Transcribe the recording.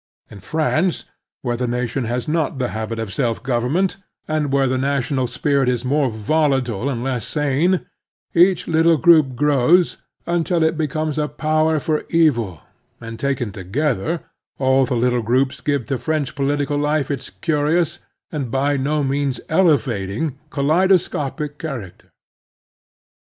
In France, where the nation has not the habit of self gov ernment, and where the national spirit is more volatile and less sane, each little group grows until it becomes a power for evil, and, taken together, all the little groups give to French political life its curious, and by no means elevat ing, kaleidoscopic character.